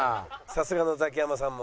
さすがのザキヤマさんも。